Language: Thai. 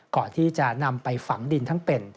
ก่อนที่จะนำไปฝังดินทั้งเป็น